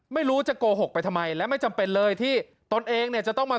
ไม่รู้จะโกหกไปทำไมและไม่จำเป็นเลยที่ตนเองเนี่ยจะต้องมา